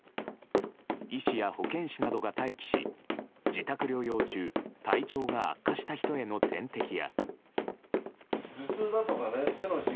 医師や保健師などが待機し自宅療養中体調が悪化した人への点滴や。